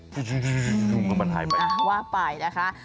ปวดไม่มันหายไปว่าไปนะคะ